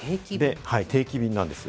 定期便なんです。